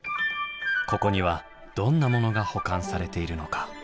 ここにはどんなものが保管されているのか？